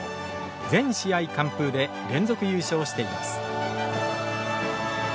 全試合完封で連続優勝しています。